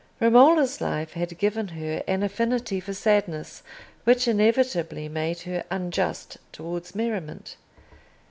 Romola's life had given her an affinity for sadness which inevitably made her unjust towards merriment.